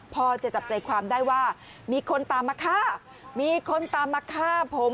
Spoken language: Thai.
พอจะจับใจความได้ว่ามีคนตามมาฆ่ามีคนตามมาฆ่าผม